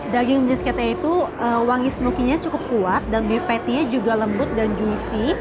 daging brisketnya itu wangi smokinya cukup kuat dan beef pattynya juga lembut dan juicy